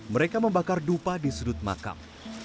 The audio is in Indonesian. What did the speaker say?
mereka membakar dupa di sudut makam